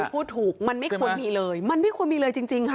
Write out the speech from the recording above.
พูดถูกมันไม่ควรมีเลยมันไม่ควรมีเลยจริงค่ะ